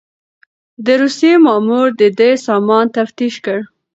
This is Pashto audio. د روسيې مامور د ده سامان تفتيش کړ.